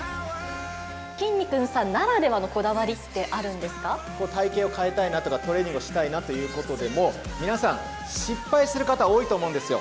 きんに君さんならではのこだ体形を変えたいなとか、トレーニングをしたいなということでも、皆さん、失敗する方、多いと思うんですよ。